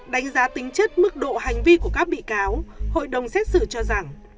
đánh giá tính chất mức độ hành vi của các bị cáo hội đồng xét xử cho rằng